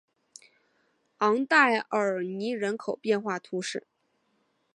昂代尔尼人口变化图示